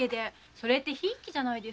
それって贔屓じゃないですか？